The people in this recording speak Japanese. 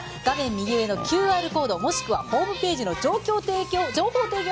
右上のＱＲコードもしくはホームページの情報提供